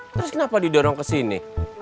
terus kenapa didorong ke sini